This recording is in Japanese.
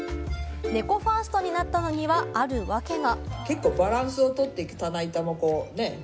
猫ファーストになったのには、ある訳が。